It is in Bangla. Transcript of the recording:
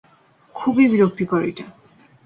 খুবই বিরক্তিকর এটা!